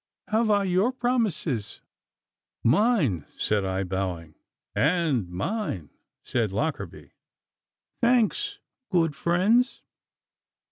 Have I your promises?' 'Mine,' said I, bowing. 'And mine,' said Lockarby. 'Thanks, good friends.